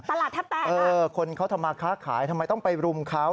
ตลาดทับแต่นะคนเขาทำมาค้าขายทำไมต้องไปบรุมเขา